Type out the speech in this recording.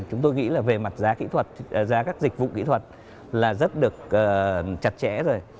chúng tôi nghĩ là về mặt giá kỹ thuật giá các dịch vụ kỹ thuật là rất được chặt chẽ rồi